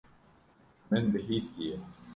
Min bihîstiye.